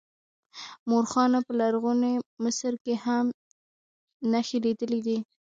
مورخانو په لرغوني مصر کې هم نښې لیدلې دي.